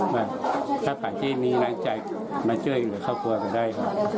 แต่ถ้าปัจจุนี้น้องชายมาช่วยเหลือเข้าครัวก็ได้